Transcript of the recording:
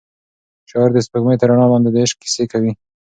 شاعر د سپوږمۍ تر رڼا لاندې د عشق کیسې کوي.